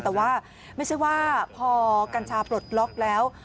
แต่ว่าไม่ใช่ว่าพอกัญชาปลดล็อกแล้ว